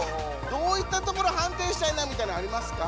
どういったところ判定したいなみたいなんありますか？